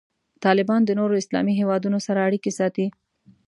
طالبان د نورو اسلامي هیوادونو سره اړیکې ساتي.